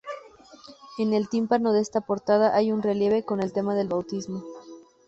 En el tímpano de esta portada hay un relieve con el tema del Bautismo.